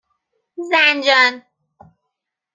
زنجان